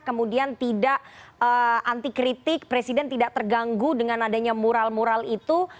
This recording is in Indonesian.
kemudian tidak anti kritik presiden tidak terganggu dengan adanya mural mural itu